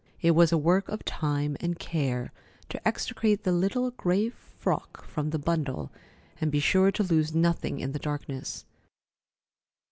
It was a work of time and care to extricate the little gray frock from the bundle and be sure to lose nothing in the darkness.